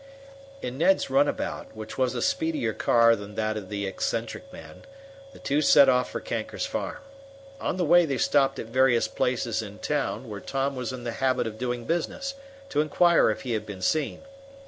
In Ned's runabout, which was a speedier car than that of the eccentric man, the two set off for Kanker's farm. On the way they stopped at various places in town, where Tom was in the habit of doing business, to inquire if he had been seen.